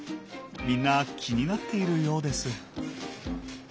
みんな気になっているようです。